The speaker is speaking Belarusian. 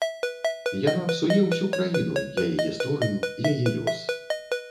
Яна псуе ўсю краіну, яе гісторыю, яе лёс.